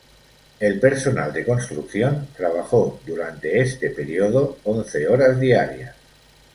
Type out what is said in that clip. El personal de construcción trabajó durante este período once horas diarias.